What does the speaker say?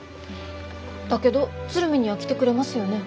だけど鶴見には来てくれますよね？